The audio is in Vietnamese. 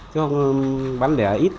chứ không bán đẻ ít